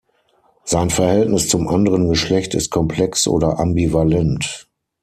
Sein Verhältnis zum anderen Geschlecht ist komplex oder ambivalent.